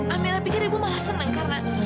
amela pikir ibu malah senang karena